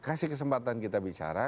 kasih kesempatan kita bicara